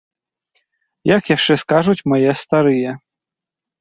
Як яшчэ скажуць мае старыя.